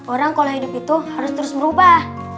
orang pola hidup itu harus terus berubah